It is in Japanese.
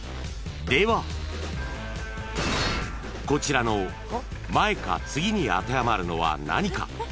［こちらの前か次に当てはまるのは何か？］